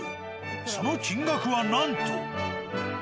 その金額はなんと。